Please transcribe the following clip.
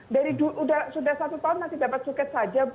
dari sudah satu tahun masih dapat suket saja